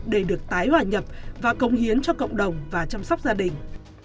để tái hòa nhập và cống hiến cho cộng đồng và chăm sóc gia đình